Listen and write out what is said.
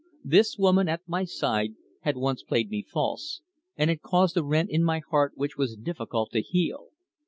This woman at my side had once played me false, and had caused a rent in my heart which was difficult to heal.